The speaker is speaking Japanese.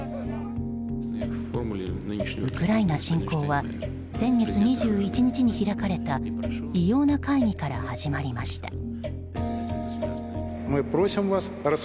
ウクライナ侵攻は先月２１日に開かれた異様な会議から始まりました。